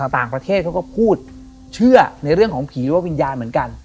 ต่างประเทศเขาก็พูดเชื่อในเรื่องของผีหรือว่าวิญญาณเหมือนกัน